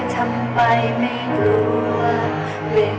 ขอบคุณทุกเรื่องราว